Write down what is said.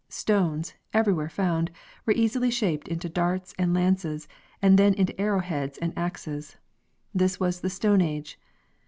Stones, everywhere found, were early shaped into darts and lances and then into arrow heads and axes. 'This was the Stone age.